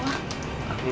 keadaan apa dia